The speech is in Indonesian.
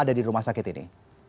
ada di rumah sakit ini